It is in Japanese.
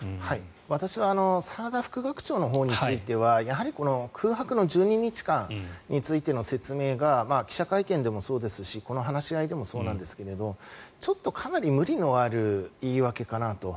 私は澤田副学長のほうについてはやはり空白の１２日間についての説明が記者会見でもそうですしこの話し合いでもそうなんですがちょっとかなり無理のある言い訳かなと。